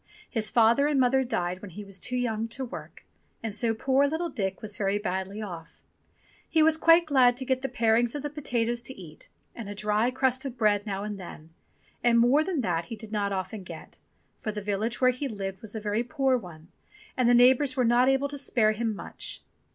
His father and mother died when he was too young to work, and so poor little Dick was very badly off. He was quite glad to get the parings of the potatoes to eat and a dry crust of bread now and then, and more than that he did not often get, for the village where he lived was a very poor one and the neighbours were not able to spare him much.